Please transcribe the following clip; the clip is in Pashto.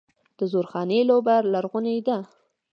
د زورخانې لوبه لرغونې ده.